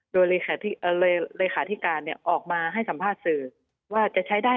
โดยเลขาธิการออกมาให้สัมภาษณ์สื่อว่าจะใช้ได้